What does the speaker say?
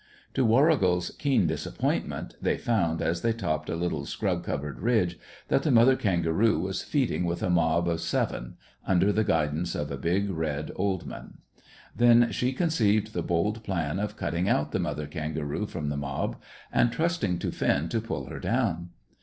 To Warrigal's keen disappointment, they found as they topped a little scrub covered ridge that the mother kangaroo was feeding with a mob of seven, under the guidance of a big, red old man. Then she conceived the bold plan of "cutting out" the mother kangaroo from the mob, and trusting to Finn to pull her down.